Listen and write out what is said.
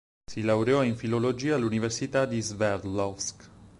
Si laureò in filologia all'Università di Sverdlovsk.